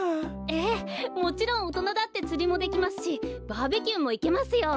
ええもちろんおとなだってつりもできますしバーベキューもいけますよ。